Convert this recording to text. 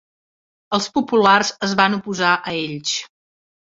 Els populars es van oposar a ells.